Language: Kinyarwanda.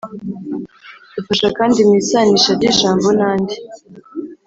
dufasha kandi mu isanisha ry’ijambo n’andi